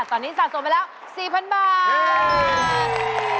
ตอนนี้สะสมไปแล้ว๔๐๐๐บาท